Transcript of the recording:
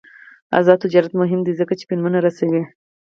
آزاد تجارت مهم دی ځکه چې فلمونه رسوي.